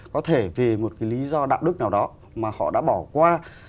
có thể về một cái lý do đạo đức nào đó mà họ đã bỏ qua